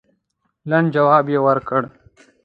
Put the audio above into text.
لنډ جواب یې ورکړ.